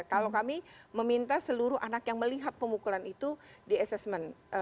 kalau kami meminta seluruh anak yang melihat pemukulan itu di assessment